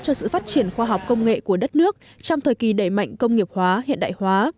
cho sự phát triển khoa học công nghệ của đất nước trong thời kỳ đẩy mạnh công nghiệp hóa hiện đại hóa